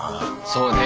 そうね。